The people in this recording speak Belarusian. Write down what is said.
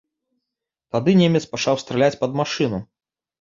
Тады немец пачаў страляць пад машыну.